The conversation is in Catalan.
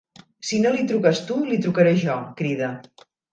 Si no li truques tu li trucaré jo! —crida.